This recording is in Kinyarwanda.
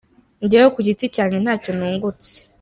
Njyewe ku giti cyanjye ntacyo nungutse.